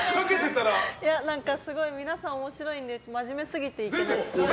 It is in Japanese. すごい皆さん面白いんで真面目すぎて、いけないです。